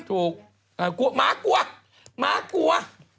หมากลัวหมากลัว